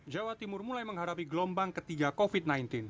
jawa timur mulai menghadapi gelombang ketiga covid sembilan belas